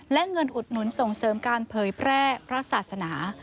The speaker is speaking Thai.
และเงินอุดหนุนส่งเสริมการเผยแพร่พระศาสนา